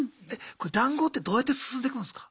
これ談合ってどうやって進んでくんすか？